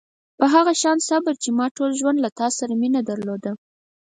په هغه شان صبر چې ما ټول ژوند له تا سره مینه درلوده.